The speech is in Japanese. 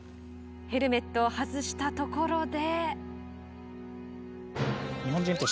ヘルメットを外したところで。